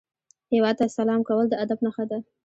هیواد ته سلام کول د ادب نښه ده